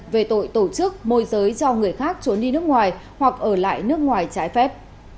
về tội tổ chức môi giới cho người khác trốn đi nước ngoài hoặc ở lại nước ngoài trái phép